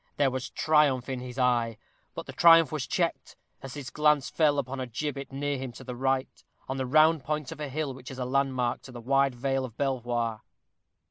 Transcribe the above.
There was triumph in his eye. But the triumph was checked as his glance fell upon a gibbet near him to the right, on the round point of hill which is a landmark to the wide vale of Belvoir.